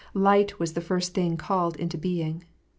Light was the first thing called into being.